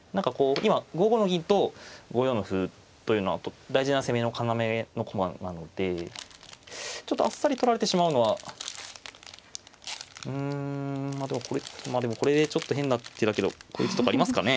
今５五の銀と５四の歩というのは大事な攻めの要の駒なのでちょっとあっさり取られてしまうのはうんまあでもこれちょっと変な手だけどこう打つとかありますかね。